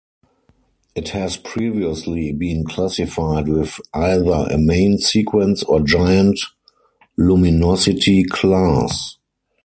It has previously been classified with either a main sequence or giant luminosity class.